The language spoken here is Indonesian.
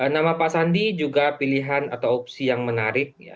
nama pak sandi juga pilihan atau opsi yang menarik